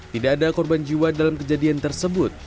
tidak ada korban jiwa dalam kejadian tersebut